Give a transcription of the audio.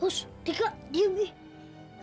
hustika diam deh